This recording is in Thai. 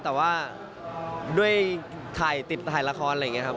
แต่ว่าด้วยถ่ายติดถ่ายละครอะไรอย่างนี้ครับ